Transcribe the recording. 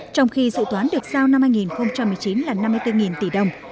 trong khi dự toán được giao năm hai nghìn một mươi chín là năm mươi bốn tỷ đồng